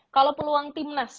kalau peluang timnas